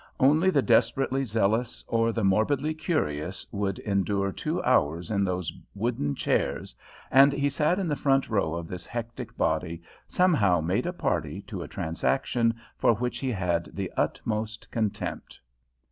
Only the desperately zealous or the morbidly curious would endure two hours in those wooden chairs, and he sat in the front row of this hectic body, somehow made a party to a transaction for which he had the utmost contempt.